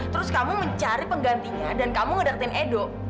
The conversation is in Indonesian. terus kamu mencari penggantinya dan kamu ngedertin edo